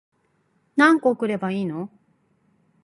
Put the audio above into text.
何個送ればいいの